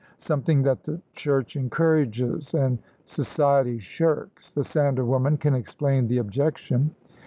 "Something that the Church encourages and society shirks. The Sandal woman can explain the objection."